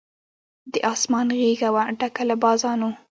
د آسمان غېږه وه ډکه له بازانو